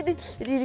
adi adi adi adi